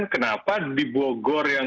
kenapa di bogor yang